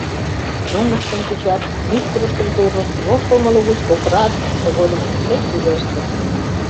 Оҥыштым кучат, мӱшкырыштым туржыт, воштылмо лугыч кокырат, тыгодым пыкше шӱлештыт.